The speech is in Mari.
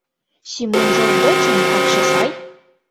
Семонжо Овдочын, такше, сай.